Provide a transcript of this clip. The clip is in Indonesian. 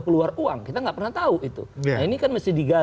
sementara di kpk bisa